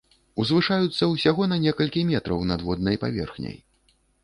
Узвышаюцца ўсяго на некалькі метраў над воднай паверхняй.